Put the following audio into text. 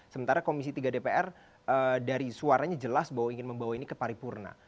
sementara komisi tiga dpr dari suaranya jelas bahwa ingin membawa ini ke paripurna